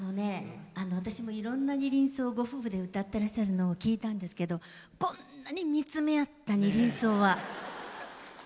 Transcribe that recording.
私もいろんな「二輪草」をご夫婦で歌ってらっしゃるの聴いたんですけどこんなに見つめ合った「二輪草」は。